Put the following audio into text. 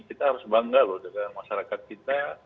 kita harus bangga loh dengan masyarakat kita